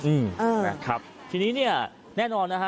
อืมอ่านะครับทีนี้เนี่ยแน่นอนนะฮะ